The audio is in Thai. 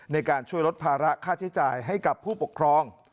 ในการช่วยลดภาระค่าใช้จ่ายให้กับผู้ปกครอง